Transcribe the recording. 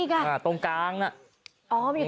อ้อมันอยู่ตรงกลางหรอ